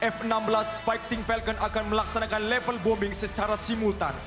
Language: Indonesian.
f enam belas fighting falcon akan melaksanakan level bombing secara simultan